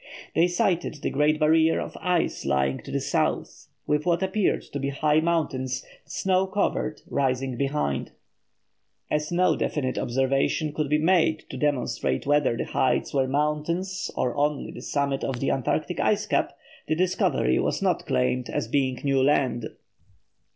They sighted the great barrier of ice lying to the south, with what appeared to be high mountains, snow covered, rising behind. As no definite observations could be made to demonstrate whether the heights were mountains or only the summit of the Antarctic ice cap, the discovery was not claimed as being new land.